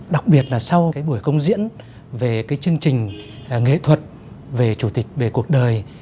đặc biệt là sau buổi công diễn về chương trình nghệ thuật về cuộc đời